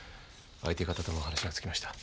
相手方とも話がつきました。